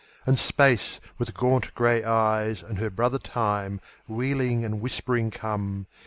And Space with gaunt grey eyes and her brother Time Wheeling and whispering come.